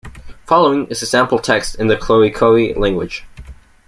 Following is a sample text in the Khoekhoe language.